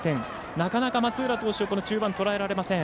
なかなか松浦投手中盤をとらえられません。